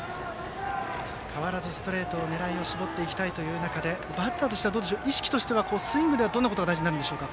変わらずストレートに狙いを絞っていきたい中でバッターの意識としてはスイングでは、どんなことが大事になりますか？